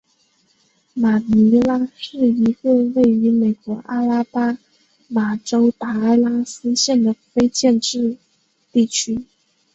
马尼拉是一个位于美国阿拉巴马州达拉斯县的非建制地区。